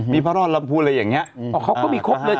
มีพระรอดลำพูนอะไรอย่างนี้อ๋อเขาก็มีครบเลย